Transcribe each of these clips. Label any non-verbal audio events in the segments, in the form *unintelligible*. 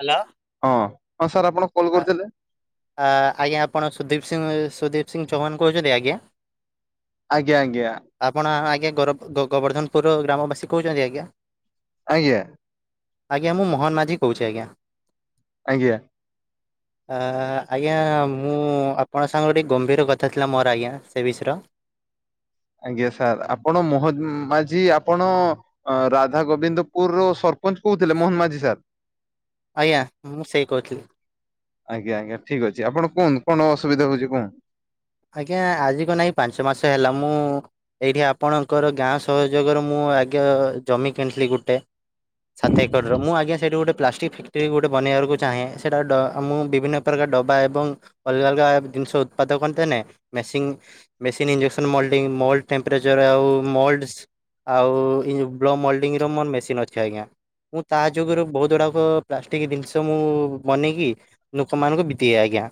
Hello. ହଁ ହଁ sir ଆପଣ କଲ୍ ଆ କରିଥିଲେ? ଆଜ୍ଞା, ଆପଣ ସୁଦୀପ ସିଂ ସୁଦୀପ ସିଂହ ଚୌହାନ କହୁଛନ୍ତି ଆଜ୍ଞା? ଆଜ୍ଞା ଆଜ୍ଞା। ଆପଣ ଆଜ୍ଞା ଗୋରବ ଗୋ ଗୋବର୍ଦ୍ଧନପୁରର ଗ୍ରାମବାସୀ କହୁଛନ୍ତି ଆଜ୍ଞା? ଆଜ୍ଞା। ଆଜ୍ଞା, ମୁଁ ମୋହନ ମାଝି କହୁଛି ଆଜ୍ଞା। ଆଜ୍ଞା। ଆ ଆଜ୍ଞା ମୁଁ ଆପଣଙ୍କ ସାଙ୍ଗରେ ଟିକେ ଗମ୍ଭୀର କଥା ଥିଲା ମୋର ଆଜ୍ଞା, ସେ ବିଷର। ଆଜ୍ଞା ସାର୍ ଆପଣ ମୋହନ ମାଝି ଆପଣ ରାଧା ଗୋବିନ୍ଦପୁରରୁ ସର୍ ପଞ୍ଚ କହୁଥିଲେ ମୋହନ ମାଝି ଆଜ୍ଞା ସାର୍। ମୁଁ ସେଇ କହୁଥିଲି ଆଜ୍ଞା ଆଜ୍ଞା ଠିକ୍ ଅଛି ଆପଣ କହନ୍ତୁ କଣ ଅସୁବିଧା ହଉଚି କୁହ? ଆଜ୍ଞା ଆଜି କ ନାଇଁ ପାଞ୍ଚ ମାସ ହେଲା ମୁଁ ଏଇଠି ଆପଣଙ୍କର ଗାଁ ସହଯୋଗର ମୁଁ ଆଜ୍ଞା ଜମି କିଣିଥିଲି ଗୋଟେ ସାତ ଏକରର ମୁଁ ଆଜ୍ଞା ସେଇଠି ଗୋଟେ ପ୍ଲାଷ୍ଟିକ୍ ଫ୍ୟାକ୍ଟ୍ରି ଗୋଟେ ବନେଇବାକୁ ଚାହେଁ ସେଇଟା ଡ ମୁଁ ବିଭିନ୍ନ ପ୍ରକାର ଡବା ଏବଂ ଅଲଗା ଅଲଗା ଜିନିଷ ଉତ୍ପାଦକନ *unintelligible* Messi machine injection melting melt temperature ଆଉ ମଲଡସ୍ ଆଉ ଏ ବ୍ଲ ମଲଡିଙ୍ଗର ମୋର ମେସିନ୍ ଅଛି ଆଜ୍ଞା। ମୁଁ ତା ଯୋଗୁରୁ ବହୁତ ଗୁଡାକ ପ୍ଲାଷ୍ଟିକ ଜିନିଷ ମୁଁ ବନେଇକି ଲୋକମାନଙ୍କୁ ବିତେଇ ଆଜ୍ଞା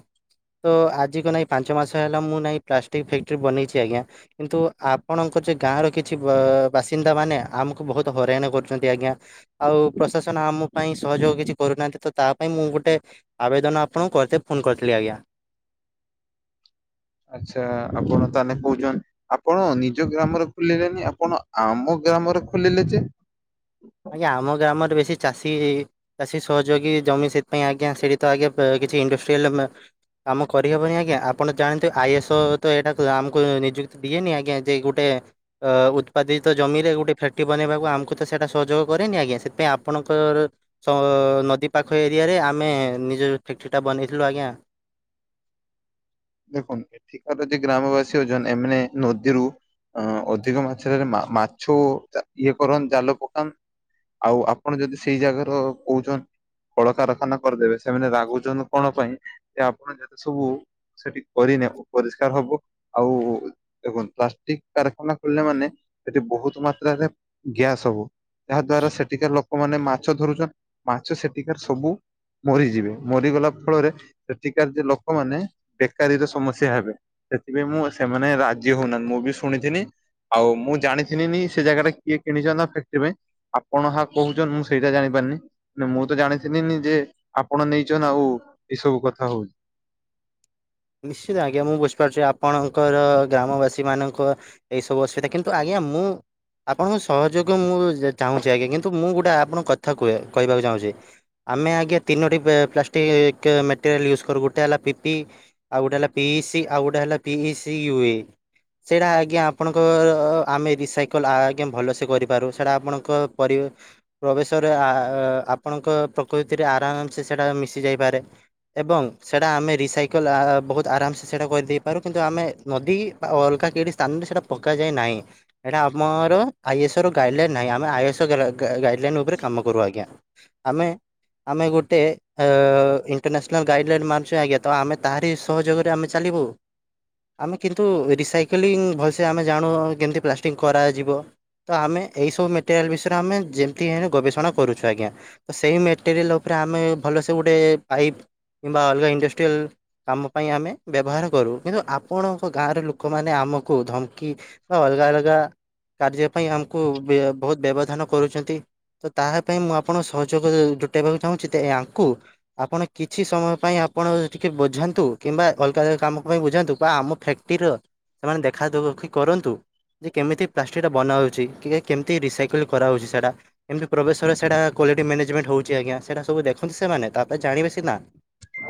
ତ ଆଜି କ ନାଇଁ ପାଞ୍ଚ୍ ଛଅ ମାସ ହେଲା ମୁଁ ନାଇଁ ପ୍ଲାଷ୍ଟିକ ଫାକ୍ଟ୍ରି ବନେଇଚି ଆଜ୍ଞା। କିନ୍ତୁ ଆପଣଙ୍କର ଯେ ଗାଁର କିଛି ବ ବାସିନ୍ଦା ମାନେ ଆମକୁ ବହୁତ ହଇରାଣ କରୁଚନ୍ତି ଆଜ୍ଞା। ଆଉ ପ୍ରଶାସନ ଆମ ପାଇଁ ସହଯୋଗ କିଛି କରୁନାହାନ୍ତି ତ ତା ପାଇଁ ମୁଁ ଗୋଟେ ଆବେଦନ ଆପଣଙ୍କୁ କରିଥିଲି ଫୋନ କରିଥିଲି ଆଜ୍ଞା। ଆଚ୍ଛା ଆପଣ ତାହେଲେ କହୁଚନ୍ ଆପଣ ନିଜ ଗ୍ରାମରେ ଖୋଲିଲେନି ଆପଣ ଆମ ଗ୍ରାମରେ ଖୋଲିଲେ ଯେ? ଆଜ୍ଞା ଆମ ଗ୍ରାମରେ ବେଶୀ ଚାଷୀ ଚାଷୀ ସହଯୋଗୀ ଜମି ସେଥିପାଇଁ ଆଜ୍ଞା ସେଇଠି ତ ଆଜ୍ଞା କିଛି ଇଣ୍ଡଷ୍ଟ୍ରିଆଲ ମେ କାମ କରିହେବନି ଆଜ୍ଞା ଆପଣ ଜାଣନ୍ତୁ ଆଇ ଏସ୍ ଓ ତ ଏଇଟା ଆମକୁ ନିଯୁକ୍ତି ଦିଏନି ଆଜ୍ଞା ଯେ ଗୋଟେ ଅ ଉତ୍ପାଦିତ ଜମିରେ ଗୋଟେ ଫ୍ୟାକ୍ଟ୍ରି ବନେଇବାକୁ ଆମକୁ ତ ସେଟା ସହଯୋଗ କରେନି ଆଜ୍ଞା ସେଥିପାଇଁ ଆପଣଙ୍କର ସ ନଦୀ ପାଖ ଏରିଆରେ ଆମେ ନିଜ ଫ୍ୟାକ୍ଟ୍ରି ଟା ବନେଇଥିଲୁ ଆଜ୍ଞା। ଦେଖନ୍ତୁ ଏଠିକାର ଯେ ଗ୍ରାମବାସୀ ଅଛନ୍ତି ଏମାନେ ନଦୀରୁ ଅ ଅଧିକ ମାାତ୍ରରେ ମାଛ ଚା ଇଏ କରନ୍ ଜାଲ ପକାନ ଆଉ ଆପଣ ଯଦି ସେଇ ଜାଗାର କହୁଚନ୍ କଳକାରଖାନା କରିଦେବେ ସେମାନେ ରାଗୁଚନ୍ କଣ ପାଇଁ ସେ ଆପଣ ଯେତେ ସବୁ ସେଠି କରିଲେ ଅପରିଷ୍କାର ହବ। ଆଉ ଦେଖନ୍ତୁ ପ୍ଲାଷ୍ଟିକ କାରଖାନା ଖୋଲିଲା ମାନେ ସେଠି ବହୁତ ମାତ୍ରାରେ ଗ୍ୟାସ୍ ହବ ଯାହା ଦ୍ଵାରା ସେଠିକାର ଲୋକମାନେ ମାଛ ଧରୁଚନ୍ତି। ମାଛ ସେଠିକାର ସବୁ ମରିଯିବେ, ମରିଗଲା ଫଳରେ ସେଠିକାର ଯେ ଲୋକମାନେ ବେକାରୀର ସମସ୍ୟା ହେବେ ସେଥିପାଇଁ ମୁଁ ସେମାନେ ରାଜି ହଉନାହାନ୍ତି ମୁଁ ବି ଶୁଣିଥିଲି ଆଉ ମୁଁ ଜାଣିଥିନିନି ସେ ଜାଗାଟା କିଏ କିଣିଚନ୍ତି ଫ୍ୟାକ୍ଟ୍ରି ପାଇଁ। ଆପଣ ଆହା କହୁଚନ୍ତି ମୁଁ ସେଇଟା ଜାଣିପାରୁନି ମୁଁ ତ ଜାଣିଥିଲିନି ଯେ ଆପଣ ନେଇଚନ ଆଉ ଏସବୁ କଥା ହଉଚ। ନିଶ୍ଚିତ ଆଜ୍ଞା ମୁଁ ବୁଝିପାରୁଚି ଆପଣଙ୍କର ଗ୍ରାମବାସୀମାନଙ୍କ ଏଇସବୁ ଅସୁବିଧା କିନ୍ତୁ ଆଜ୍ଞା ମୁଁ ଆପଣଙ୍କ ସହଯୋଗ ମୁଁ ଚାହୁଁଚି ଆଜ୍ଞା। କିନ୍ତୁ ମୁଁ ଗୋଟେ ଆପଣଙ୍କ କଥା କୁହେ କହିବାକୁ ଚାହୁଁଚି ଆମେ ଆଜ୍ଞା ତିନୋଟି ପେ ପ୍ଲାଷ୍ଟିକ୍ କେ ମେଟେରିଆଲ୍ ୟୁଜ୍ କରୁ ଗୋଟେ ହେଲା ପିପି ଆଉ ଗୋଟେ ହେଲା ପି ଇ ସି ଆଉ ଗୋଟେ ହେଲା ପିଇ ସି ୟୁ ଏ। ସେଇଟା ଆଜ୍ଞା ଆପଣଙ୍କର ଆମେ ରିସାଇକଲ୍ ଆଜ୍ଞା ଭଲସେ କରିପାରୁ ସେଇଟା ଆପଣଙ୍କ ପରି ପ୍ରବେଶରେ ଆ ଆ ଆପଣଙ୍କ ପ୍ରକୃତିରେ ଆରାମସେ ସେଇଟା ମିଶି ଯାଇପାରେ ଏବଂ ସେଇଟା ଆମେ ରିସାଇକଲ ଆ ବହୁତ ଆରାମସେ ସେଇଟା କରିଦେଇପାରୁ, କିନ୍ତୁ ଆମେ ନଦୀ ବା ଅଲଗା କିଇଠି ସ୍ଥାନରେ ସେଇଟା ପକାଯାଏ ନାଇଁ। ଏଇଟା ଆମର ଆଇ ଏସ୍ ଓ ର ଗାଇଡଲାଇନ୍ ନାହିଁ ଆମେ ଆଇ ଏସ୍ ଓ ଗା ଗାଇଡ଼ଲାଇନ୍ ଉପରେ କାମ କରୁ ଆଜ୍ଞା। ଆମେ ଆମେ ଗୋଟେ ଅ ଅଷଇଣ୍ଟରନ୍ୟାସନାଲ ଗାଇଡ ଲାଇନ୍ ମାନୁଚୁ ଆଜ୍ଞା ତ ଆମେ ତାରି ସହଯୋଗରେ ଆମେ ଚାଲିବୁ? ଆମେ କିନ୍ତୁ ରିସାଇକେଲିଂ ଭଲସେ ଆମେ ଜାଣୁ କେମିତି ପ୍ଲାଷ୍ଟିକ କରାଯିବ। ତ ଆମେ ଏଇସବୁ ମେଟେରିଆଲ୍ ବିଷୟରେ ଆମେ ଯେମିତି ହେଲେ ଗବେଷଣା କରୁଛୁ ଆଜ୍ଞା। ତ ସେହି ମେଟେରିଆଲ୍ ଉପରେ ଆମେ ଭଲସେ ଗୋଟେ ପାଇପ୍ କିମ୍ବା ଅଲଗା ଇଣ୍ଡଷ୍ଟ୍ରିଆଲ୍ କାମ ପାଇଁ ଆମେ ବ୍ୟବହାର କରୁ କିନ୍ତୁ ଆପଣଙ୍କ ଗାଁର ଲୋକମାନେ ଆମକୁ ଧମକି ବା ଅଲଗା ଅଲଗା କାର୍ଯ୍ୟ ପାଇଁ ଆମକୁ ବହୁତ ବ୍ୟବଧାନ କରୁଛନ୍ତି। ତ ତାହା ପାଇଁ ମୁଁ ଆପଣଙ୍କ ସହଯୋଗ ଜୋଟାଇବାକୁ ଚାହୁଁଛି ଏ ଆଙ୍କୁ ଆପଣ କିଛି ସମୟ ପାଇଁ ଆପଣ ଟିକେ ବୁଝା ନ୍ତୁ କିମ୍ବା ଅଲଗା ଅଲ କାମ ପାଇଁ ବୁଝାନ୍ତୁ ବା ଆମ ଫ୍ୟାକ୍ଟ୍ରିର ସେମାନେ ଦେଖାଦଖଖି କରନ୍ତୁ। ଯେ କେମିତି ପ୍ଲାଷ୍ଟିକଟା ବନାହେଉଛି କି କେମିତି ରିସାଇକଲ୍ କରାହଉଛି ସେଇଟା। ଏମତି ପ୍ରବେଶରେ ସେଟା କ୍ୱାଲିଟି ମ୍ୟାନେଜମଣ୍ଟ ହଉଛି ଆଜ୍ଞା ସେଟା ସବୁ ଦେ ଖନ୍ତୁ ସେମାନେ ତାପରେ ଜାଣିବେ ସିନା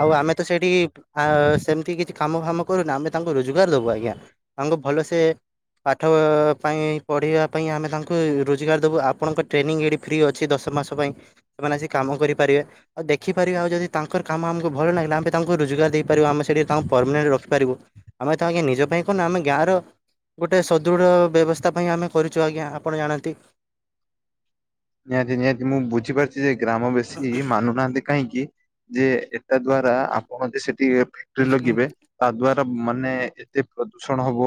ଆଉ ଆମେ ତ ସେଇଠି ଆ ସେମିତି କିଛି କାମ ଫାମ କରୁନ ଆମେ ତାଙ୍କୁ ରୋଜଗାର ଦେବୁ ଆଜ୍ଞା ତାଙ୍କୁ ଭଲସେ ପାଠ ପାଇଁ ପଢ଼ିବା ପାଇଁ ଆମେ ତାଙ୍କୁ ରୋଜଗାର ଦେବୁ ଆପଣଙ୍କ ଟ୍ରେନିଂ ଏଠି ଫ୍ରି ଅଛି ଦଶ ମାସ ପାଇଁ। ସେମାନେ ଆସି କାମ କରିପାରିବେ ଆଉ ଦେଖିପାରିବେ ଆଉ ଯଦି ତାଙ୍କର କାମ ଆମକୁ ଭଲ ଲାଗିଲା ଆମେ ତାଙ୍କୁ ରୋଜଗାର ଦେଇ ପାରୁ ଆମେ ସେଇଠି ତାଙ୍କୁ ପରମାନେଣ୍ଟ ରଖିପାରୁ ଆମେ ତ ଆଜ୍ଞା ନିଜ ପାଇଁ କୁରୁନେ ଆମେ ଗାଁର ଗୋଟେ ସୁଦୃଢ଼ ବ୍ୟବସ୍ଥା ପାଇଁ ଆମେ କରିଛୁ ଆଜ୍ଞା ଆପଣ ଜାଣନ୍ତି। ନିହାତି ନିହାତି ମୁଁ ବୁଝିପାରୁଚଛି ଯେ ଗ୍ରାମ ବେଶୀ ମାନୁନାହାନ୍ତି। କାହିଁକି ଯେ ଏଟା ଦ୍ଵାରା ଆପଣ ଯଦି ସେଠି ଫ୍ୟାକ୍ଟ୍ରି ଲଗିବେ ତା ଦ୍ଵାରା ମାନେ ଏତେ ପ୍ରଦୂଷଣ ହବ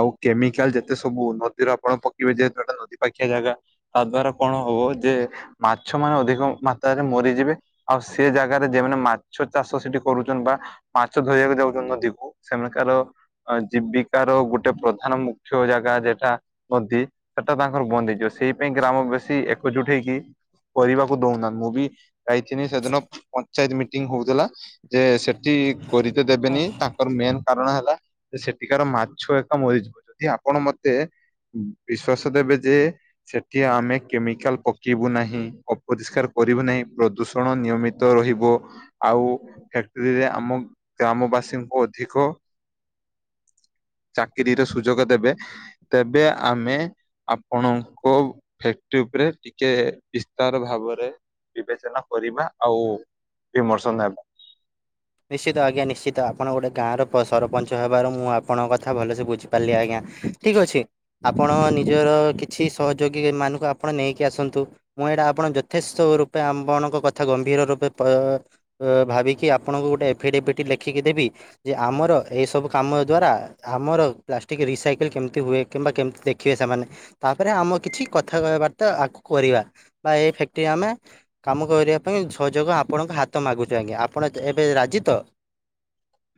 ଆଉ କେମିକାଲ ଯେତେ ସବୁ ନଦୀରୁ ଆପଣ ପକେଇବେ ଯେହେତୁଟେ ନଦୀ ପାଖିଆ ଜାଗା ତା ଦ୍ଵାରା କଣ ହବ ଯେ ମାଛ ମାନେ ଅଧିକ ମାତ୍ରାରେ ମରିଯିବେ। ଆଉ ସେ ଜାଗାରେ ଯେମାନେ ମାଛ ଚାଷ ସେଠି କରୁଛନ୍ତି ବା ମାଛ ଧରିବାକୁ ଯାଉଛନ୍ତି ନଦୀକୁ ସେମାନେଙ୍କର ଅ ଜୀବିକାର ଗୋଟେ ପ୍ରଧାନ ମୁଖ୍ୟ ଜାଗା ଯେ ଏଟା। ନଦୀ ସେଟା ତାଙ୍କର ବନ୍ଦ ହେଇଯିବ। ସେଇ ପାଇଁ ଗ୍ରାମବାସୀ ଏକଜୁଟ ହେଇକି କରିବାକୁ ଦଉନାହାନ୍ତି ମୁଁ ବି ଯାଇଥିନି ସେଦିନ ପଞ୍ଚାୟତ ମିଟିଂ ହଉଥିଲା। ଯେ ସେଠି କରି ତେ ଦେବେନି ତାଙ୍କର ମେନ୍ କାରଣ ହେଲା ଯେ ସେଠିକାର ମାଛ ଏକା ମରିଯିବ ଯଦି ଆପଣ ମତେ ବିଶ୍ଵାସ ଦେବେ ଯେ ସେଠି ଆମେ କେମିକାଲ ପକେଇବୁ ନାହିଁ, ଅପରିଷ୍କାର କରିବୁ ନାହିଁ, ପ୍ରଦୂଷଣ ନିୟମିତ ରହିବ। ଆଉ ଫ୍ୟାକ୍ଟ୍ରିରେ ଆମ ଗ୍ରାମବାସୀଙ୍କୁ ଅଧିକ ଚାକିରିର ସୁଯୋଗ ଦେବେ। ତେବେ ଆମେ ଆପଣଙ୍କ ତି ଉପରେ ଟିକେ ବିସ୍ତାର ଭାବରେ ବିବେଚନା କରିବା ଆଉ ବିମର୍ଶନ ହେବା। ନିଶ୍ଚିତ ଆଜ୍ଞା ନିଶ୍ଚିତ ଆପଣ ଗୋଟେ ଗାଁର ପ ସରପଞ୍ଚ ହେବାରୁ ମୁଁ ଆପଣଙ୍କ କଥା ଭଲସେ ବୁଝିପାରିଲି ଆଜ୍ଞା। ଠିକ୍ ଅଛି ଆପଣ ନିଜର କିଛି ସହଯୋଗୀ ମାନଙ୍କୁ ଆପଣ ନେଇକି ଆସନ୍ତୁ। ମୁଁ ଏଇଟା ଆପଣ ଯଥେଷ୍ଟ ରୂପେ ଆପଣଙ୍କ କଥା ଗମ୍ଭୀର ରୂପେ ପ ଅ ଭାବିକି ଆପ ଆପଣଙ୍କୁ ଗୋଟେ ଏଫି ଟି ଭିଟି ଲେଖିକି ଦେବି ଯେ ଆମର ଏ ସବୁ କାମ ଦ୍ଵାରା ଆମର ପ୍ଲାଷ୍ଟିକ ରିସାଇକେଲ କେମିତି ହୁଏ କିମ୍ବା କେମିତି ଦେଖ ଖିବେ ସେମାନେ ତାପରେ ଆମ କିଛି କଥାବାର୍ତ୍ତା ଆଗକୁ କରିବା ବା ଏଇ ଫ୍ୟାକ୍ଟ୍ରି ଆମେ କାମ କରିବା ପାଇଁ ସହଯୋଗ ଆପଣଙ୍କ ହାତ ମାଗୁଛୁ ଆଜ୍ଞ ଆପଣ ଏବେ ରାଜି ତ?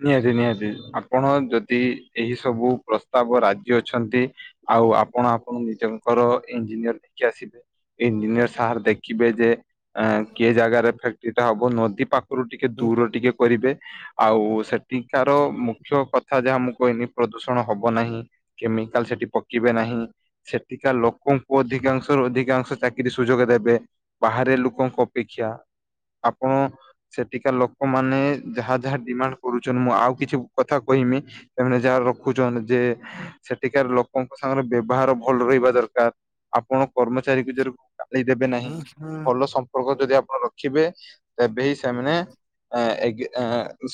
ନିହାତି ନିହାତି ଆପଣ ଯଦି ଏହି ସବୁ ପ୍ରସ୍ତାବ ରାଜି ଅଛନ୍ତି ଆଉ ଆପଣ ଆପଣ ନିଜଙ୍କର ଇଞ୍ଜିନିୟର ନେଇକି ଆସିବେ। ଇଞ୍ଜିନିୟର ସାର୍ ଦେଖିବେ ଯେ ଏ କି ଜାଗାରେ ଫ୍ୟାକ୍ଟ୍ରିଟା ହବ ନଦୀ ପାଖ ରୁ ଟିକେ ହୁଁ ଦୂର ଟିକେ କରିବେ ଆଉ ସେଠିକାର ମୁଖ୍ୟ କଥା ଯାହା ମୁଁ କହିଲି ପ୍ରଦୂଷଣ ହବ ନାହିଁ। କେମିକାଲ ସେଠି ପକେଇବେ ନାହିଁ। ସେଠିକା ଲୋକଙ୍କୁ ଅଧିକାଂଶରୁ ଅଧିକାଂଶ ଚାକିରି ସୁଯୋଗ ଦେବେ। ବାହାରେ ଲୋକଙ୍କ ଅପେକ୍ଷା। ଆପଣ ସେଠିକା ଲୋକମାନେ ଯାହା ଯାହା ଡିମାଣ୍ଡ କରୁଚନ ମୁଁ ଆଉ କିଛି କଥା କହିମି ସେମାନେ ଯାହା ରଖୁଛନ୍ ଯେ ସେଠିକାର ଲୋକଙ୍କ ସାଙ୍ଗରେ ବ୍ୟବହାର ଭଲ ରହିବା ଦରକାର। ଆପଣ କର୍ମଚାରୀକୁ ଯର ଦେବେ ନାହିଁ ହୁଁ ହୁଁ ଭଲ ସମ୍ପ ର୍କ ଯଦି ଆପଣ ରଖିବେ ତେବେ ହିଁ ସେମାନେ ଏ ଗ ଏ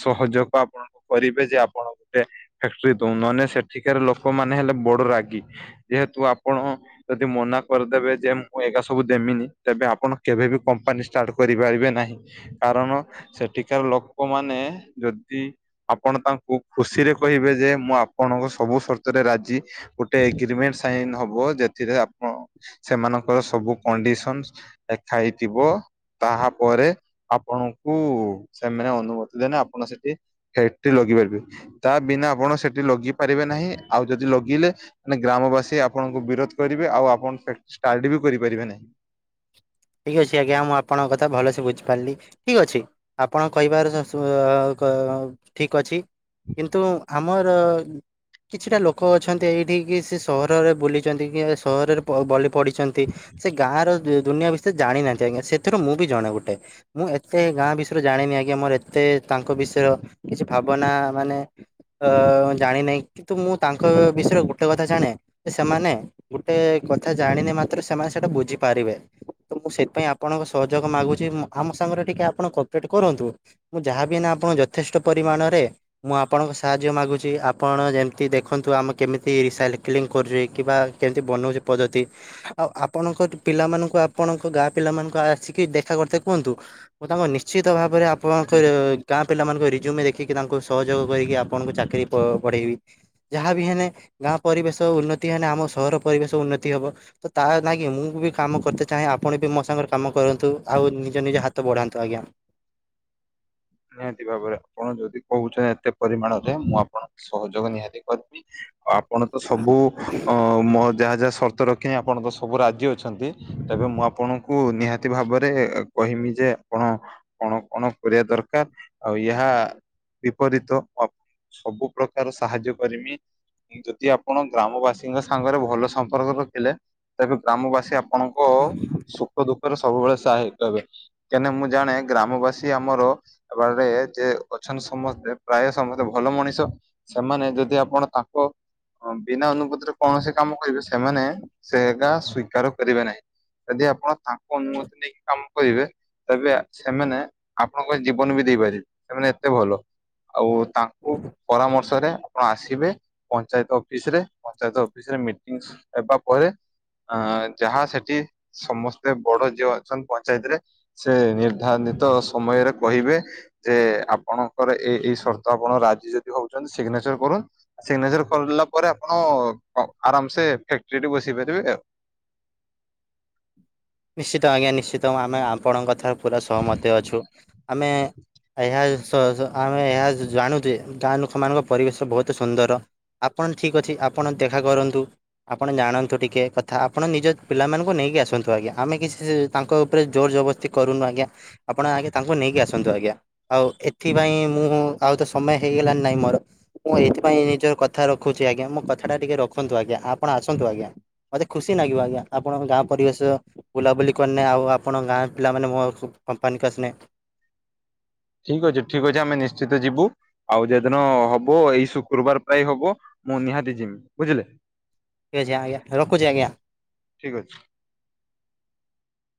ସହଯୋଗ ଆପଣଙ୍କୁ କରିବେ ଯେ ଆପଣ ଗୋଟେ ଫ୍ୟାକ୍ଟ୍ରି ଦଉ ନହେଲେ ସେଠିକାରେ ଲୋକମାନେ ହେଲେ ବଡ ରାଗି ଯେହେତୁ ଆପଣ ଯଦି ମନା କରିଦେବେ ଯେ ମୁଁ ଏଗା ସବୁ ଦେମିନି ତେବେ ଆପଣ କେବେ ବି କମ୍ପାନୀ ଷ୍ଟାର୍ଟ କରିପାରିବେ ନାହିଁ। କାରଣ ସେଠିକାର ଲୋକମାନେ ଯ ଦି ଆପଣ ତାଙ୍କୁ ଖୁସିରେ କହିବେ ଯେ ମୁଁ ଆପଣଙ୍କ ସବୁ ସର୍ତରେ ରାଜି ଗୋଟେ ଏଗ୍ରିମେଣ୍ଟ ସାଇନ ହବ ଯେଥିରେ ଆପଣ ସେମାନଙ୍କର ସବୁ କଣ୍ଡିସନ ଏ ଥାଇ ଥିବ ତାହାପରେ ଆପଣଙ୍କୁ ସେମାନେ ଅନୁମତି ଦେଲେ ଆପଣ ସେଠି ସେଠି ଲଗେଇ ପାରିବେ ତା ବିନା ଆପଣ ସେଠି ଲଗି ପାରିବେ ନାହିଁ ଆଉ ଯଦି ଲଗିଲେ ମାନେ ଗ୍ରାମବାସୀ ଆପଣଙ୍କୁ ବିରୋଧ କରିବେ ଆଉ ଆପଣ ଫକ୍ଟ ଷ୍ଟାର୍ଟ ବି କରିପାରିବେ ନାହିଁ। ଠିକ୍ ଅଛି ଆଜ୍ଞା ମୁଁ ଆପଣଙ୍କ କଥା ଭଲସେ ବୁଝିପାରିଲି ଠିକ୍ ଅଛି। ଆପଣ କହିବାର ଶ କ ଠିକ ଅଛି। କିନ୍ତୁ ଆମର କିଛିଟା ଲୋକ ଅଛନ୍ତି ଏଇଠିିକି ସେ ସହରରେ ବୁଲିଛନ୍ତି କି ସହରରେ ପ ବଲି ପଢ଼ିଛନ୍ତି ସେ ଗାଁ ର ଦୁନିଆ ବିଷୟରେ ଜାଣିନାହାନ୍ତି ଆଜ୍ଞା ସେଥିରୁ ମୁଁ ବି ଜଣେ ଗୋଟେ। ମୁଁ ଏତେ ଗାଁ ବିଷୟରେ ଜାଣିନି ଆଜ୍ଞା ମୋର ଏତେ ତାଙ୍କ ବିଷୟରେ କିଛି ଭାବନା ମାନେ ଅ ଜାଣିିନାହିଁ କିନ୍ତୁ ମୁଁ ତାଙ୍କ ବିଷୟରେ ଗୋଟେ କଥା ଜାଣେ ଯେ ସେମାନେ ଗୋଟେ କଥା ଜାଣିନେ ମାତ୍ର ସେମାନେ ସେଇଟା ବୁଝିପାରିବେ। ତ ମୁଁ ସେଥିପାଇଁ ଆପଣଙ୍କ ସହଯୋଗ ମାଗୁଛି, ଆମ ସାଙ୍ଗରେ ଟିକେ ଆପଣ କପରେଟ କରନ୍ତୁ। ମୁଁ ଯାହାବି ନା ଆପଣ ଯଥେଷ୍ଟ ପରିମାଣରେ- ମୁଁ ଆପଣଙ୍କ ସାହାଯ୍ୟ ମାଗୁଛି, ଆପଣ ଯେମିତି ଦେଖନ୍ତୁ ଆମେ କେମିତି ରିସାଇକ୍ଲିଂ କରୁଛେ କିମ୍ବା କେମତି ବନଉଛି ପଦ୍ଧତି ଆଉ ଆପଣଙ୍କ ପିଲାମାନଙ୍କୁ ଆପଣଙ୍କ ଗାଁ ପିଲାମାନଙ୍କୁ ଆସିକି ଦେଖା କରିତେ କୁହନ୍ତୁ। ମୁଁ ତାଙ୍କୁ ନିଶ୍ଚିତ ଭାବରେ ଆପଣଙ୍କ ଗାଁ ପିଲାମାନଙ୍କ ରିଜୁମ୍ ଦେଖିକି ତାଙ୍କୁ ସହଯୋଗ କରିକି ଆପଣଙ୍କୁ ଚାକିରି ବଢେ଼ଇବି ଯାହା ବି ହେନେ ଗାଁ ପରିବେଶ ଉନ୍ନତି ହେଲେ ଆମ ସହର ପରିବେଶ ଉନ୍ନତି ହେବ। ତ ତା ନାଗି ମୁଁ ବି କାମ କରତେ ଚାହେଁ ଆପଣ ବି ମୋ ସାଙ୍ଗରେ କାମ କରନ୍ତୁ, ଆଉ ନିଜ ନିଜ ହାତ ବଢ଼ାନ୍ତୁ ଆଜ୍ଞା। ନିହାତି ଭାବରେ ଆପଣ ଯଦି କହୁଛନ୍ତି ଏତେ ପରିମାଣରେ, ମୁଁ ଆପଣଙ୍କ ସହଯୋଗ ନିହାତି କରି ଆପଣ ତ ସବୁ ଅ-ମ ଯାହା ଯାହା ସର୍ତ୍ତ ର ଆପଣ ତ ସବୁ ରାଜି ଅଛନ୍ତି, ତେବେ ମୁଁ ଆପଣଙ୍କୁ ନିହାତି ଭାବରେ କହିମି ଯେ ଆପଣ କଣ କଣ କରିବା ଦରକାର, ଆଉ ଏହା ବିପରୀତ ସବୁ ପ୍ରକାର ସାହାଯ୍ୟ କରିମି। ଯଦି ଆପଣ ଗ୍ରାମବାସୀଙ୍କ ସାଙ୍ଗରେ ଭଲ ସମ୍ପର୍କ ରଖିଲେ, ତେବେ ଗ୍ରାମବାସୀ ଆପଣଙ୍କୁ ହଁ ହଁ *unintelligible* ଦୁଃଖରେ ସବୁବେଳେ ସହାୟକ ହେବେ, କାହିଁକି ନା ମୁଁ ଜାଣେ ଗ୍ରାମବାସୀ ଆମର ଆ ବା ଏ ଯେ ଅଛନ୍ତି ସମସ୍ତେ ପ୍ରାୟ ସମସ୍ତେ ଭଲ ମଣିଷ। ସେମାନେ ଯଦି ଆପଣ ତାଙ୍କ ହଁ ବିନା ଅନୁପତିରେ କୌଣସି କାମ କରିବେ ସେମାନେ ସେ ଏଗା ସ୍ଵୀକାର କରିବେ ନାହିଁ। ଯଦି ଆପଣ ତାଙ୍କୁ ଅନୁମତି ନେଇକି କାମ କରିବେ ତେବେ ସେମାନେ ଆପଣଙ୍କ ଜୀବନ ବି ଦେଇପାରିବେ। ସେମାନେ ଏତେ ଭଲ ଆଉ ତାଙ୍କୁ ପରାମର୍ଶରେ ଆପଣ ଆସିବେ ପଞ୍ଚାୟତ ଅଫିସରେ ପଞ୍ଚାୟତ ଅଫିସରେ ମିଟିଂସ୍ ହେବା ପରେ ଆ ଯାହା ସେଠି ସମସ୍ତେ ବଡ଼ ଯିଏ ଅଛନ୍ତି ପଞ୍ଚାୟତ ରେ ସେ ନିର୍ଦ୍ଧାନିତ ସମୟରେ କହିବେ ଯେ ଆପଣଙ୍କର ଏ ଏଇ ସର୍ତ୍ତ ଆପଣଙ୍କ ରାଜି ଯଦି ହଉଛନ୍ତି ସିଗ୍ନେଚର କରନ୍ତୁ। ସିଗ୍ନେଚର କରିାଲା ପରେ ଆପଣ ଆରାମସେ ଫ୍ୟାକ୍ଟିରେ ବସେଇ ପାରିବେ ଏ। ନିଶ୍ଚିତ ଆଜ୍ଞା ନିଶ୍ଚିତ ଆମେ ଆପଣଙ୍କ କଥା ପୁରା ସହିମତ ଅଛୁ। ସହଜ ଆମେ ଏହା ଜାଣୁଛେ ଗାଁ ଲୋକମାନଙ୍କ ପରିବେଶ ବହୁତ ସୁନ୍ଦର। ଆପଣ ଠିକ୍ ଅଛି ଆପଣ ଦେଖା କରନ୍ତୁ। ଆପଣ ଜାଣନ୍ତୁ ଟିକେ କଥା ଆପଣ ନିଜ ପିଲାମାନଙ୍କୁ ନେଇକି ଆସନ୍ତୁ, ଆଜ୍ଞା। ଆମେ କିଛି ତାଙ୍କ ଉପରେ ଜୋର ଜବରଦସ୍ତି। କରୁନୁ ଆଜ୍ଞା ଆପଣ ଆଜ୍ଞା ତାଙ୍କୁ ନେଇକି ଆସନ୍ତୁ, ଆଜ୍ଞା। ଆଉ ଏଥିପାଇଁ ମୁଁ ଆଉ ତ ସମୟ ହେଇଗଲଣି ନାଇଁ ମୋର ମୁଁ ଏଇଥିପାଇଁ ନିଜର କଥା ରଖୁଛି ଆଜ୍ଞା, ମୋ କଥା ଟା ଟିକେ ରଖନ୍ତୁ ଆଜ୍ଞା, ଆପଣ ଆସନ୍ତୁ ଆଜ୍ଞା। ମତେ ଖୁସି ଲାଗିବ ଆଜ୍ଞା ଆପଣଙ୍କ ଗାଁ ପରିବେଶ ବୁଲାବୁଲି କରିନେ ଆଉ ଆପଣ ଗାଁ ପିଲାମାନେ ମୋ କମ୍ପାନୀକୁ ଆସିଲେ। ଠିକ୍ ଅଛି, ଠିକ୍ ଅଛି ଆମେ ନିଶ୍ଚିତ ଯିବୁ। ଆଉ ଯେ ଦିନ ହବ ଏଇ ଶୁକ୍ରବାର ପ୍ରାୟ ହବ ମୁଁ ନିହାତିଯିବି ବୁଝିଲେ। ଠିକ୍ ଅଛି, ଆଜ୍ଞା ରଖୁଛି। ଆଜ୍ଞା, ଠିକ୍ ଅଛି।